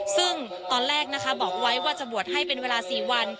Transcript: ซึ่งตอนแรกนะคะบอกไว้ว่าจะบวชให้เป็นเวลา๔วัน